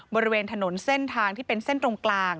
บริเวณถนนเส้นทางที่เป็นเส้นตรงกลาง